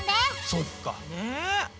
そっか。ね。